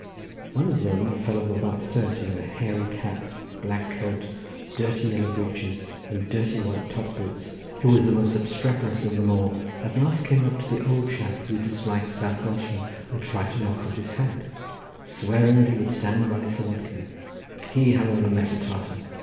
One of them, a fellow of about thirty, in a hairy cap, black coat, dirty yellow breeches, and dirty white top boots, who was the most obstreperous of them all, at last came up to the old chap who disliked South Welshmen and tried to knock off his hat, swearing that he would stand by Sir Watkin; he, however, met a Tartar.